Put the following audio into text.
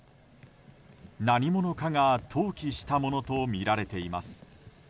何者かが投棄したものとみられています。